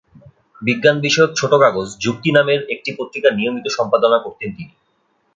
বিজ্ঞানবিষয়ক ছোট কাগজ যুক্তি নামের একটি পত্রিকা নিয়মিত সম্পাদনা করতেন তিনি।